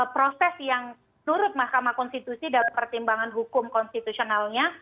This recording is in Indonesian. proses yang menurut mahkamah konstitusi dalam pertimbangan hukum konstitusionalnya